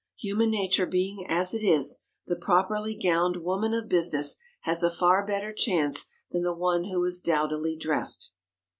Human nature being as it is, the properly gowned woman of business has a far better chance than the one who is dowdily dressed.